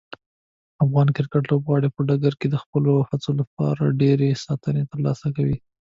افغان کرکټ لوبغاړي په ډګر کې د خپلو هڅو لپاره ډیرې ستاینې ترلاسه کوي.